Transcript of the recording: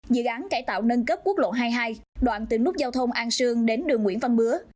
dự án cải tạo nâng cấp quốc lộ hai mươi hai đoạn từ nút giao thông an sương đến đường nguyễn văn bứa